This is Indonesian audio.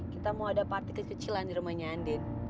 kita mau ada party kekecilan di rumahnya andin